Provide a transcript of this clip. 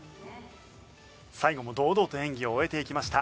最後も堂々と演技を終えていきました。